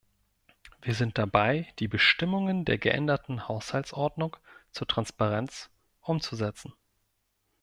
Wir sind dabei, die Bestimmungen der geänderten Haushaltsordnung zur Transparenz umzusetzen.